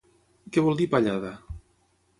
Què vol dir pallada?